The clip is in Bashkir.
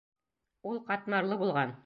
Ул ҡатмарлы булған.